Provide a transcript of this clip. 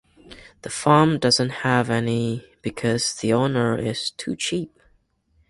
The farm doesn't have any because the owner is too cheap.